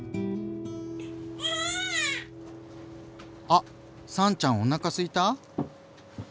あっ燦ちゃんおなかすいた？